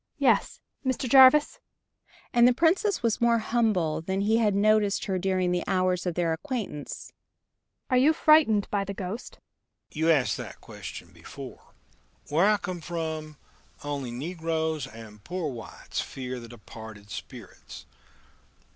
"Yes ... Mr. Jarvis!" and the Princess was more humble than he had noticed her during the hours of their acquaintance. "Are you frightened by the ghost?" "You asked that question before. Where I came from only negroes and poor whites fear the departed spirits.